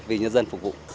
vì nhân dân phục vụ